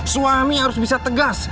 suami harus bisa tegas